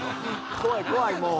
怖い怖いもう！